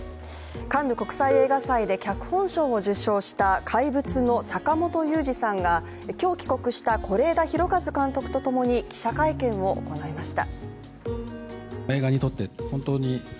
カンヌ国際映画祭で脚本賞を受賞した「怪物」の坂元裕二さんが今日、帰国した是枝裕和監督とともに記者会見を行いました。